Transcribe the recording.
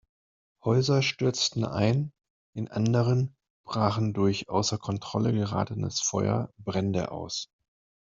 Häuser stürzten ein, in anderen brachen durch außer Kontrolle geratenes Feuer Brände aus.